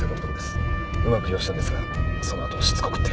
うまく利用したんですがその後しつこくて。